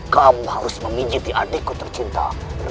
kamu harus memijiti adikku tercinta